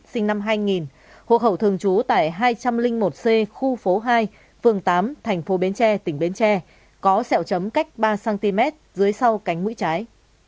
sinh năm hai nghìn hộ khẩu thường trú tại hai trăm linh một c khu phố hai phường tám thành phố bến tre tỉnh bến tre có sẹo chấm cách ba cm dưới sau cánh mũi trái